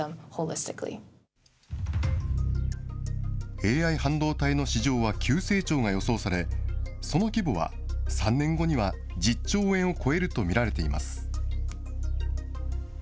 ＡＩ半導体の市場は急成長が予想され、その規模は３年後には１０兆円を超えると見られています。